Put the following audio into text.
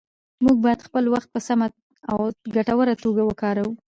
موږ باید خپل وخت په سمه او ګټوره توګه وکاروو